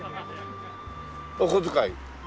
お小遣い。